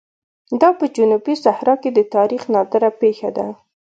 دا په جنوبي صحرا کې د تاریخ نادره پېښه ده.